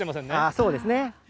そうですね。